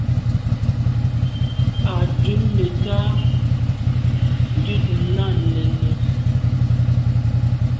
À dun neta dut nà nène.